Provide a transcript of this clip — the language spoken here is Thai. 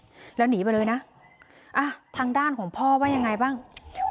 พี่สาวบอกแบบนั้นหลังจากนั้นเลยเตือนน้องตลอดว่าอย่าเข้าในพงษ์นะ